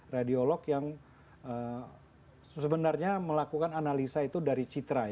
radiolog yang sebenarnya melakukan analisa itu dari citra